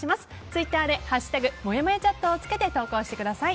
ツイッターで「＃もやもやチャット」をつけて投稿してください。